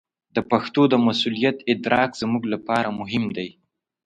د پښتو د مسوولیت ادراک زموږ لپاره مهم دی.